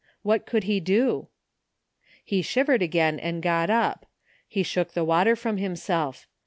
What could he do? He shivered again and got up. He shook the water from himself.